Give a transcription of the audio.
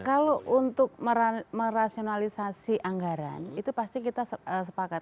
kalau untuk merasionalisasi anggaran itu pasti kita sepakat